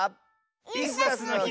「イスダスのひ」